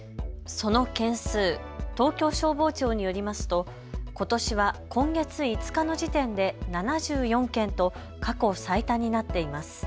その件数、東京消防庁によりますとことしは今月５日の時点で７４件と過去最多になっています。